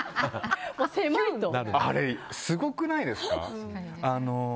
あれ、すごくないですか。